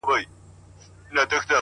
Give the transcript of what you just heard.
• بیا به موسم وي د پسرلیو ,